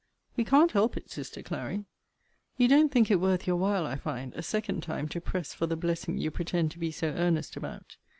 We can't help it, sister Clary. You don't think it worth your while, I find, a second time to press for the blessing you pretend to be so earnest about.